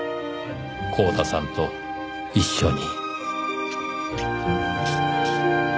光田さんと一緒に。